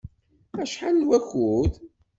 Acḥal n wakud?